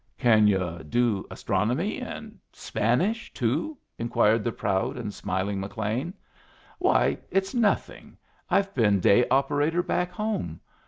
"Can yu' do astronomy and Spanish too?" inquired the proud and smiling McLean. "Why, it's nothing! I've been day operator back home.